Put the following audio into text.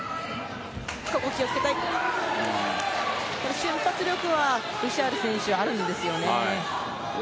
瞬発力はブシャール選手、あるんです。